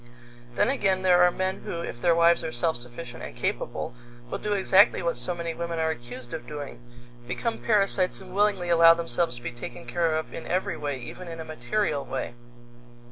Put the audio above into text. Then again there are men who, if their wives are self sufficient and capable, will do exactly what so many women are accused of doing become parasites and willingly allow themselves to be taken care of in every way, even in a material way.